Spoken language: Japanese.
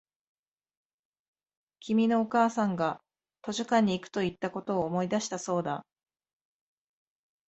君のお母さんが図書館に行くと言ったことを思い出したそうだ